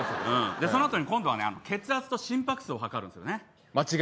そのあとに今度は血圧と心拍数を測るんですよね。